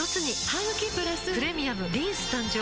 ハグキプラス「プレミアムリンス」誕生